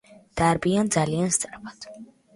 დარბიან ძალიან სწრაფად.